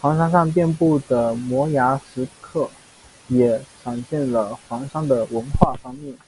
黄山上遍布的摩崖石刻也展现了黄山的文化方面。